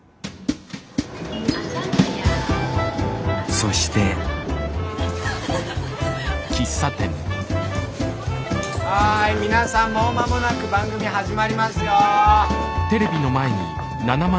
そしてはい皆さんもう間もなく番組始まりますよ。